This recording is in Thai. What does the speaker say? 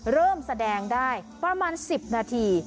เริ่มแสดงได้ประมาณ๑๐นาที